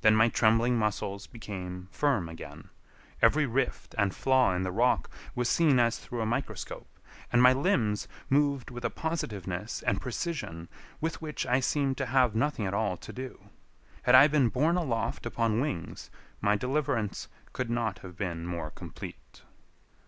Then my trembling muscles became firm again, every rift and flaw in the rock was seen as through a microscope, and my limbs moved with a positiveness and precision with which I seemed to have nothing at all to do. Had I been borne aloft upon wings, my deliverance could not have been more complete.